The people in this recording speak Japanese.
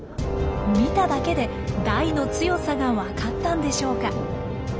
見ただけでダイの強さが分かったんでしょうか。